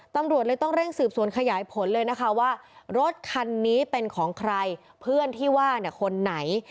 ตำรวจเลยต้องเร่งสืบสวนขยายผลเลยนะคะว่ารถคันนี้เป็นของใครเพื่อนที่ว่าเนี่ยคนไหน